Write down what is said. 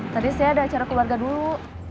tadi saya ada acara keluarga dulu